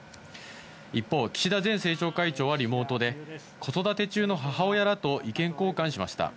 一方、岸田前政調会長はリモートで、子育て中の母親らと意見交換しました。